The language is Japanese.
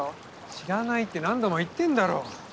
知らないって何度も言ってんだろ。